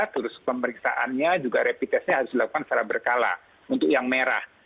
terus pemeriksaannya juga rapid testnya harus dilakukan secara berkala untuk yang merah